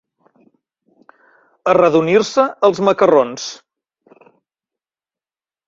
Arredonir-se els macarrons.